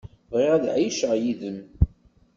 Bɣiɣ ad ɛiceɣ yid-m.